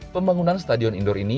pembangunan stadion indoor ini